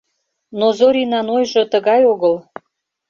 — Но Зоринан ойжо тыгай огыл.